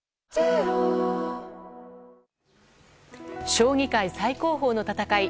将棋界最高峰の戦い